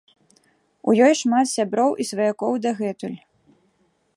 У ёй шмат сяброў і сваякоў дагэтуль.